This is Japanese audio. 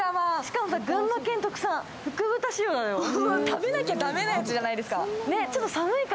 食べなきゃ駄目なやつじゃないですか。